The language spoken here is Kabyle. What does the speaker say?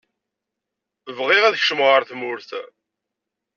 bɣiɣ ad kecmaɣ ɣer tmurt.